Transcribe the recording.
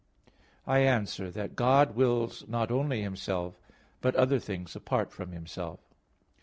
I answer that, God wills not only Himself, but other things apart from Himself.